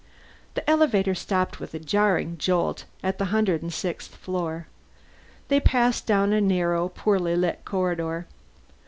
The elevator stopped with a jarring jolt at the hundred sixth floor. They passed down a narrow, poorly lit corridor.